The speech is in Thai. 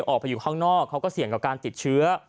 ออกไปอยู่ข้างนอกเขาก็เสี่ยงกับการติดเชื้อ